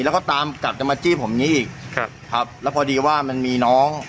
แล้วก็ตามกลับจะมาจี้ผมนี้อีกครับครับแล้วพอดีว่ามันมีน้อง